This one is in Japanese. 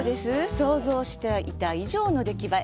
想像していた以上のできばえ。